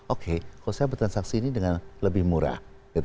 oke kalau saya bertransaksi ini dengan lebih murah